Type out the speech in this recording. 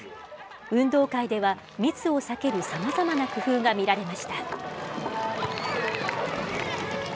運動会では、密を避けるさまざまな工夫が見られました。